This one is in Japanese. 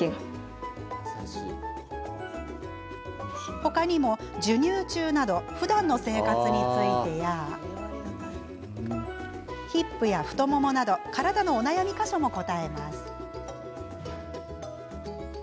他にも、授乳中などふだんの生活についてやヒップや太ももなど体のお悩み箇所も答えてます。